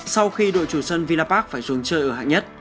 sau khi đội chủ sân virapak phải xuống chơi ở hạng nhất